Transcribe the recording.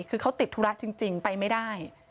คือเขาติดธุระจริงไปไม่ได้